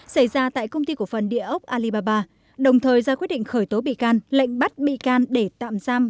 xảy ra tại công ty của phần địa ốc alibaba đồng thời ra quyết định khởi tố bị can lệnh bắt bị can để tạm giam